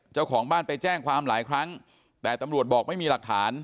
เจ้าของบ้านไปแจ้งความหลายครั้งแต่ตำรวจบอกไม่มีหลักฐาน